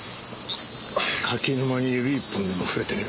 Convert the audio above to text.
柿沼に指一本でも触れてみろ。